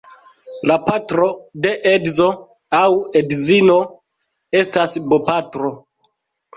La patro de edzo aŭ edzino estas bopatro.